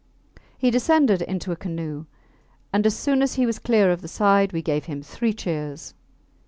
He descended into a canoe, and as soon as he was clear of the side we gave him three cheers.